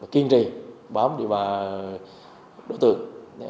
và kiên trì bám địa bà đối tượng